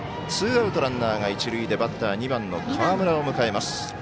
ツーアウト、ランナーが一塁でバッター、２番の河村を迎えます。